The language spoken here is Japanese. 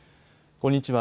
こんにちは。